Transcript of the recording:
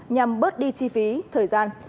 nhằm bớt đi chi phí thời gian